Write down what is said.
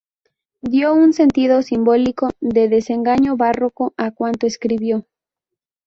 Dio un sentido simbólico de desengaño barroco a cuanto escribió.